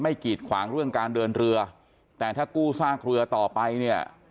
กีดขวางเรื่องการเดินเรือแต่ถ้ากู้ซากเรือต่อไปเนี่ย